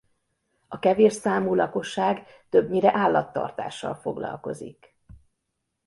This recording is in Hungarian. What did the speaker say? A kevés számú lakosság többnyire állattartással foglalkozik.